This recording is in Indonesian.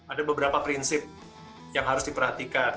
ada beberapa prinsip yang harus diperhatikan